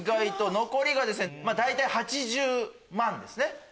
残りが大体８０万ですね。